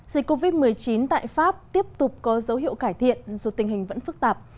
dịch covid một mươi chín tại pháp tiếp tục có dấu hiệu cải thiện dù tình hình vẫn phức tạp